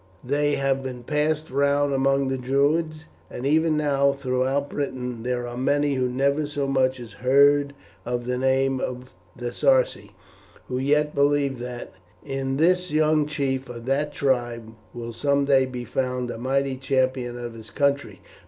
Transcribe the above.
They have been passed round among the Druids, and even now throughout Britain there are many who never so much as heard of the name of the Sarci, who yet believe that, in this young chief of that tribe, will some day be found a mighty champion of his country.